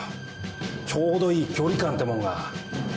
ちょうどいい距離感ってもんが。